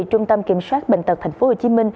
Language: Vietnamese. trung tâm kiểm soát bệnh tật tp hcm